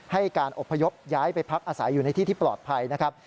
ให้การอบพยพย้ายไปพักอาศัยอยู่ในที่ที่ปลอดภัยนะครับ